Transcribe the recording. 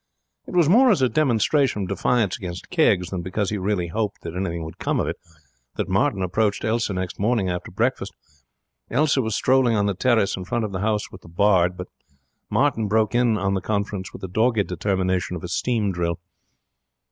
It was more as a demonstration of defiance against Keggs than because he really hoped that anything would come of it that Martin approached Elsa next morning after breakfast. Elsa was strolling on the terrace in front of the house with the bard, but Martin broke in on the conference with the dogged determination of a steam drill.